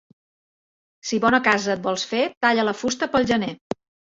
Si bona casa et vols fer, talla la fusta pel gener.